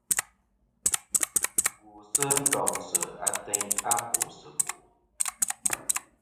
Gwosɨ ndoŋsɨ ateyn a bòsɨ bò.